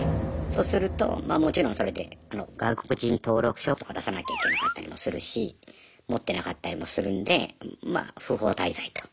そうするとまあもちろんそれで外国人登録書とか出さなきゃいけなかったりもするし持ってなかったりもするんでまあ不法滞在と。